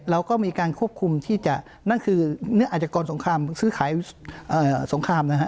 เราก็มีการควบคุมที่จะนั่นคืออาจกรสงครามซื้อขายสงครามนะฮะ